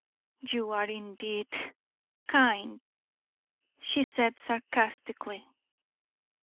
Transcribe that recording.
"You are, indeed, kind," she said, sarcastically.